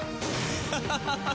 ハハハハ！